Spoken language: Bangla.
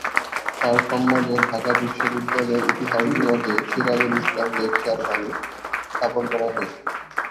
তার সম্মানে ঢাকা বিশ্ববিদ্যালয়ের ইতিহাস বিভাগে ‘সিরাজুল ইসলাম লেকচার হল’ স্থাপন করা হয়েছে।